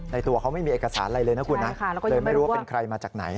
ตัวเขาไม่มีเอกสารอะไรเลยนะคุณนะเลยไม่รู้ว่าเป็นใครมาจากไหน